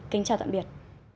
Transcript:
kính chào tạm biệt